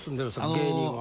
芸人は。